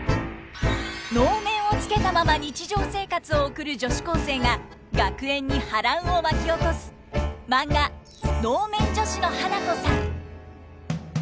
能面をつけたまま日常生活を送る女子高生が学園に波乱を巻き起こすマンガ「能面女子の花子さん」。